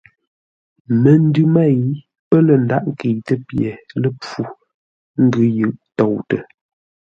Məndʉ mêi pə̂ lə̂ ndághʼ ńkəitə́ pye ləpfû, ə́ ngʉ́ yʉʼ toutə.